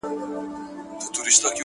د جومات سړی په جومات کي لټوه -